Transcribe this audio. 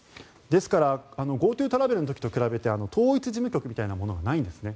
ですからＧｏＴｏトラベルの時と比べて統一事務局みたいなものがないんですね。